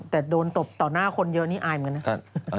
แต่โดนตบต่อหน้าคนเยอะนี่อายเหมือนกันนะครับ